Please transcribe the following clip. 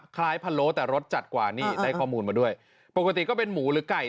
พะโล้แต่รสจัดกว่านี่ได้ข้อมูลมาด้วยปกติก็เป็นหมูหรือไก่